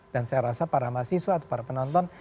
dan saya rasa para mahasiswa atau para penonton